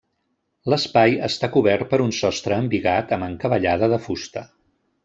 L'espai està cobert per un sostre embigat amb encavallada de fusta.